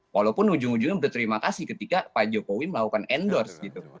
walaupun ujung ujungnya berterima kasih ketika pak jokowi melakukan endorse gitu